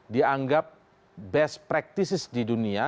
dianggap best practices di dunia